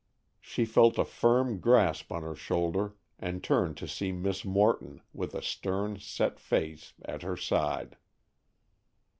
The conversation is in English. She felt a firm grasp on her shoulder, and turned to see Miss Morton, with a stern, set face, at her side.